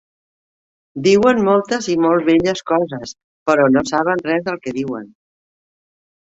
Diuen moltes i molt belles coses, però no saben res del que diuen.